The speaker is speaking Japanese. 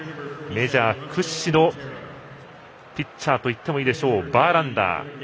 メジャー屈指のピッチャーと言ってもいいでしょうバーランダー。